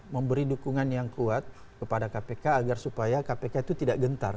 memberi dukungan yang kuat kepada kpk agar supaya kpk itu tidak gentar